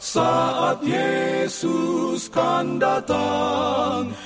saat yesus kan datang